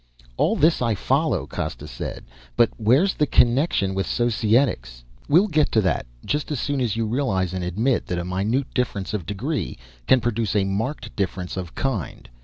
"All this I follow," Costa said, "but where's the connection with Societics?" "We'll get to that just as soon as you realize and admit that a minute difference of degree can produce a marked difference of kind.